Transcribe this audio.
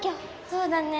そうだね。